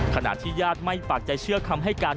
ขณะที่ญาติไม่ปากใจเชื่อคำให้การ